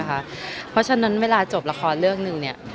เพราะฉะนั้นเวลาจบละครเรื่องหนึ่ง